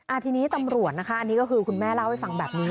ทีนี้ตำรวจนะคะอันนี้ก็คือคุณแม่เล่าให้ฟังแบบนี้